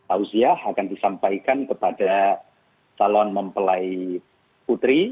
ausiah akan disampaikan kepada talon mempelai putri